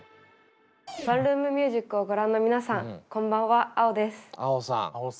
「ワンルーム☆ミュージック」をご覧の皆さんこんばんはａｏです。